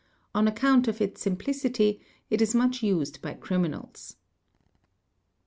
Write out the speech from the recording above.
On account of its simplicity it is much used by criminals. : 'a hl. ms. ac.